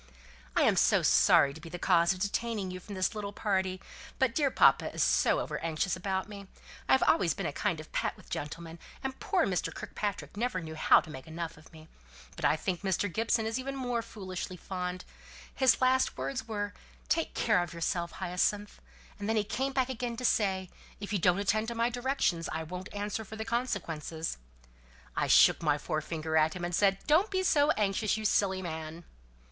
"I am so sorry to be the cause of detaining you from this little party, but dear papa is so over anxious about me. I have always been a kind of pet with gentlemen, and poor Mr. Kirkpatrick never knew how to make enough of me. But I think Mr. Gibson is even more foolishly fond: his last words were, 'Take care of yourself, Hyacinth;' and then he came back again to say, 'If you don't attend to my directions I won't answer for the consequences.' I shook my forefinger at him, and said, 'Don't be so anxious, you silly man.'"